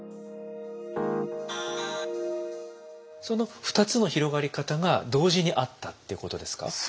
その２つの広がり方が同時にあったっていうことですか。